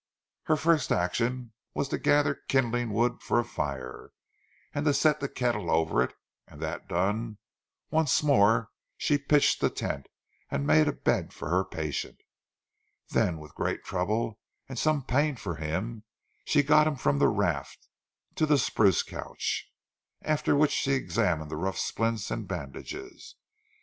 Her first action was to gather kindling wood for a fire, and to set the kettle over it, and that done, once more she pitched the tent and made a bed for her patient; then with great trouble and some pain for him, she got him from the raft to the spruce couch; after which she examined the rough splints and bandages.